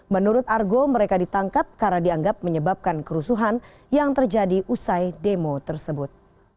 menurut argo mereka ditangkap karena dianggap menyebabkan kerusuhan yang terjadi usai demo tersebut